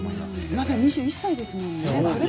まだ２１歳ですもんね。